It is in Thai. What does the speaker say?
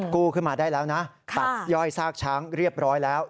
กู้ขึ้นมาได้แล้วนะตัดย่อยซากช้างเรียบร้อยแล้ว